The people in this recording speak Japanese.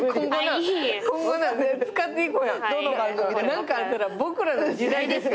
何かあったら「『ボクらの時代』ですよ」